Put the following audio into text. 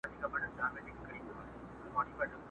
يو ديدن يې دئ وروستى ارمان راپاته،